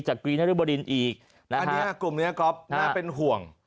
จากกรีนรุบรินอีกนะฮะอันนี้กลุ่มเนี้ยกอล์ฟน่าเป็นห่วง